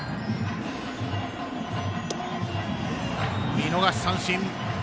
見逃し三振。